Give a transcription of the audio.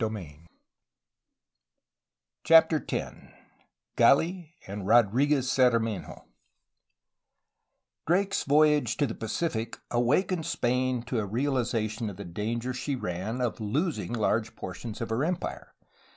Collated with an CHAPTER X GALI AND RODRIGUEZ CERMENHO Drake's voyage to the Pacific awakened Spain to a realization of the danger she ran of losing large portions of her empire.